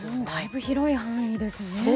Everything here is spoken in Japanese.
ぶ広い範囲ですね。